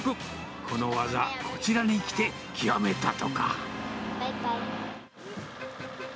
この技、こちらに来て極めたとか。